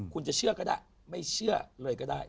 คุณจะเชื่อก็ได้ไม่เชื่อเลยก็ได้